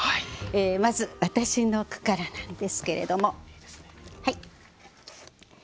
まず私の句からなんですけれども。